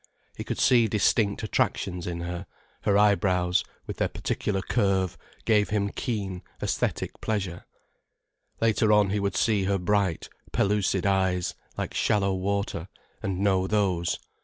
He could see distinct attractions in her; her eyebrows, with their particular curve, gave him keen aesthetic pleasure. Later on he would see her bright, pellucid eyes, like shallow water, and know those.